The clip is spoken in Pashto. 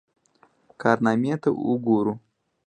کارنامې ته وګورو.